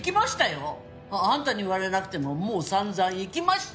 あんたに言われなくてももう散々生きました！